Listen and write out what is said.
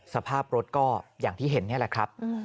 สภาพรถก็อย่างที่เห็นนี่แหละครับ